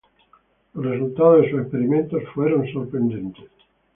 Los resultados de sus experimentos fueron sorprendentes.